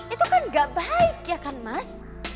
itu kan gak baik ya kan mas